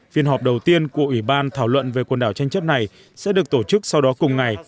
phiên họp đầu tiên của ủy ban thảo luận về quần đảo tranh chấp này sẽ được tổ chức sau đó cùng ngày